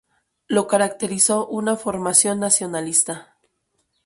Lo caracterizó una formación nacionalista.